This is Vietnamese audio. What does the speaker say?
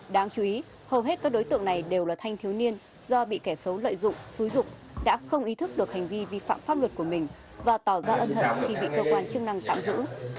đáng chú ý hầu hết các đối tượng này đều là thanh thiếu niên do bị kẻ xấu lợi dụng xúi rụng đã không ý thức được hành vi vi phạm pháp luật của mình và tỏ ra ân hận khi bị cơ quan chức năng tạm giữ